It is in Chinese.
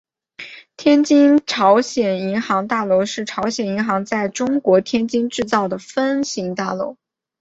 天津朝鲜银行大楼是朝鲜银行在中国天津建造的分行大楼。